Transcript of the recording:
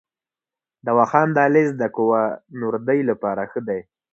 د واخان دهلیز د کوه نوردۍ لپاره ښه دی؟